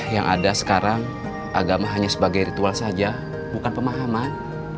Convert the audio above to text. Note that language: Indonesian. yang ada sekarang agama hanya sebagai ritual saja bukan pemahaman